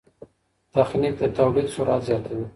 تخنیک د تولید سرعت زیاتوي.